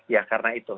ya karena itu